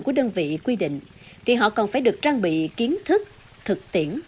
của đơn vị quy định thì họ còn phải được trang bị kiến thức thực tiễn